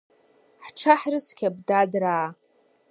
Ҳҽаҳрыцқьап, дадраа!